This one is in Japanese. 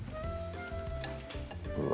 うわ